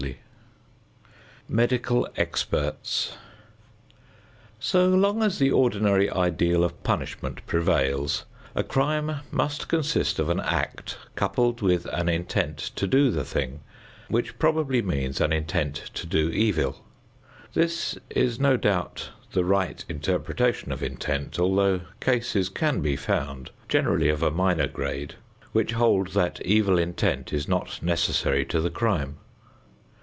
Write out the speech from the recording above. XIX MEDICAL EXPERTS So long as the ordinary ideal of punishment prevails, a crime must consist of an act coupled with an intent to do the thing, which probably means an intent to do evil. This is no doubt the right interpretation of intent, although cases can be found, generally of a minor grade, which hold that evil intent is not necessary to the crime.